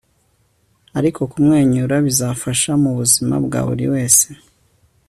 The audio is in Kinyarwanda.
ariko kumwenyura bizafasha mubuzima bwa buri wese